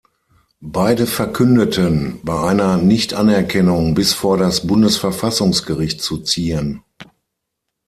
Beide verkündeten, bei einer Nichtanerkennung bis vor das Bundesverfassungsgericht zu ziehen.